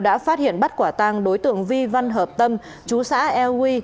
đã phát hiện bắt quả tàng đối tượng vi văn hợp tâm chú xã e hà leo